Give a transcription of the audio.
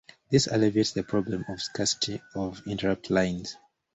This alleviates the problem of scarcity of interrupt lines.